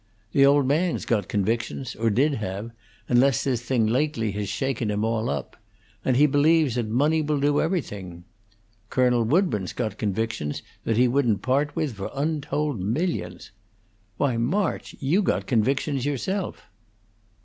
The old man's got convictions or did have, unless this thing lately has shaken him all up and he believes that money will do everything. Colonel Woodburn's got convictions that he wouldn't part with for untold millions. Why, March, you got convictions yourself!"